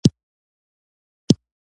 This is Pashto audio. د کورنۍ ټول غړي مې ډاکټر ته بوتلل